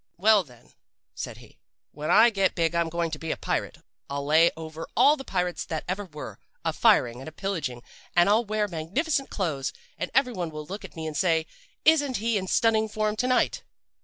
"'Well, then,' said he, 'when I get big I'm going to be a pirate. I'll lay over all the pirates that ever were, a firing and a pillaging and I'll wear magnificent clothes, and everyone will look at me and say, "Isn't he in stunning form to night!"